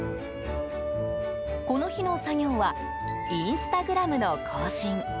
この日の作業はインスタグラムの更新。